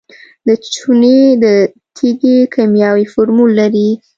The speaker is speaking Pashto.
د چونې د تیږې کیمیاوي فورمول لري.